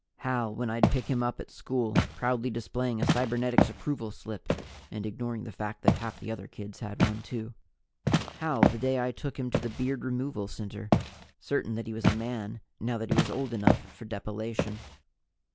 Hal, when I'd pick him up at school, proudly displaying a Cybernetics Approval Slip (and ignoring the fact that half the other kids had one, too). Hal the day I took him to the Beard Removal Center, certain that he was a man, now that he was old enough for depilation.